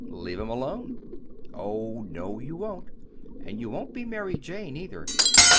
"Let 'em alone." "Oh, no, you won't. And you won't be 'Mary Jane,' either.